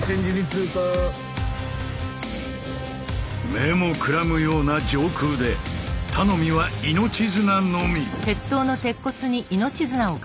目もくらむような上空で頼みは命綱のみ。